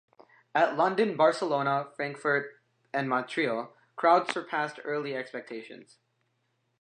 At London, Barcelona, Frankfurt and Montreal, crowds surpassed early expectations.